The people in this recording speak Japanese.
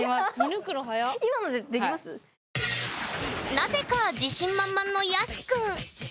なぜか自信満々のＹＡＳＵくん。